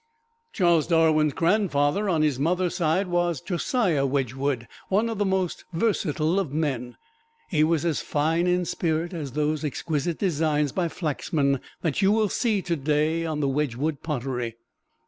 Charles Darwin's grandfather on his mother's side was Josiah Wedgwood, one of the most versatile of men. He was as fine in spirit as those exquisite designs by Flaxman that you will see today on the Wedgwood pottery.